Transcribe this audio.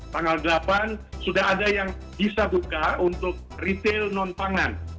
tanggal delapan sudah ada yang bisa buka untuk retail non pangan